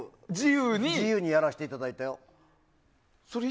自由にやらせていただいたよ。